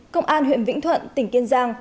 công an huyện vĩnh thuận tỉnh kiên giang